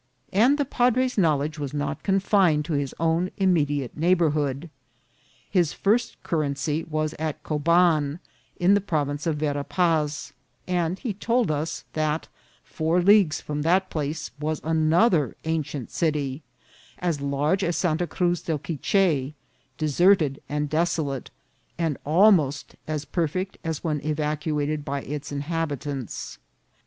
And the padre's knowledge was not confined to his own immediate neighbourhood. His first curacy was at Coban, in the province of Vera Paz ; and he told us that four leagues from that place was another ancient city, as large as Santa Cruz del Quiche, deserted and desolate, and almost as perfect as when evacuated by its inhabitants.